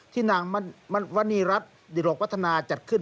ที่นางวันนีรักษ์โดยโลกพัฒนาจัดขึ้น